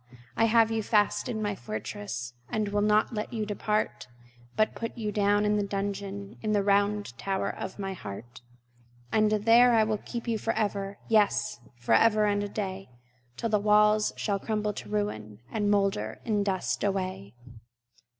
I have you fast in my fortress, And will not let you depart, But put you down into the dungeon In the round tower of my heart. And there will I keep you forever, Yes, forever and a day, Till the walls shall crumble to ruin, And moulder in dust away!